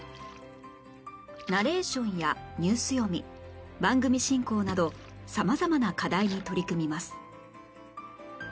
ナレーションやニュース読み番組進行など様々な課題に取り組みます